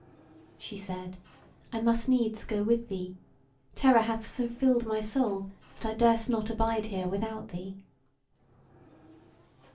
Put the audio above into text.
She said: "I must needs go with thee; terror hath so filled my soul, that I durst not abide here without thee."